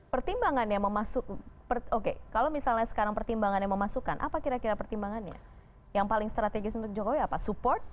pertimbangannya memasuk oke kalau misalnya sekarang pertimbangannya memasukkan apa kira kira pertimbangannya yang paling strategis untuk jokowi apa support